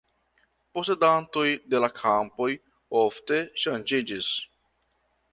Posedantoj de la kampoj ofte ŝanĝiĝis.